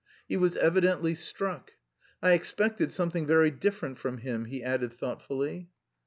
He was evidently struck. "I expected something very different from him," he added thoughtfully.